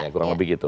kurang lebih gitu